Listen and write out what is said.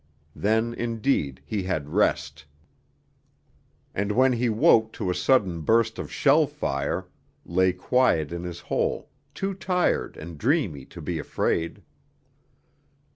Then indeed he had rest; and when he woke to a sudden burst of shell fire, lay quiet in his hole, too tired and dreamy to be afraid.